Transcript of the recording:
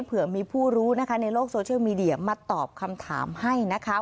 เผื่อมีผู้รู้นะคะในโลกโซเชียลมีเดียมาตอบคำถามให้นะคะ